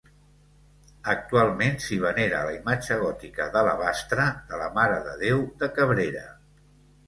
Actualment s'hi venera la imatge gòtica d'alabastre de la Mare de Déu de Cabrera.